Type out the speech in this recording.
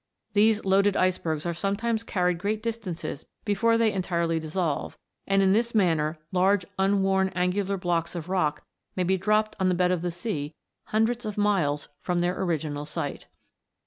These loaded icebergs are sometimes carried great distances before they entirely dissolve, and in this manner large unworn angular blocks of rock may be dropped on the bed of the sea hundreds of miles from their original site.